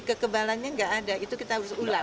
kekebalannya nggak ada itu kita harus ulang